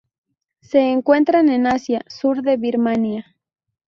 Se encuentran en Asia: sur de Birmania.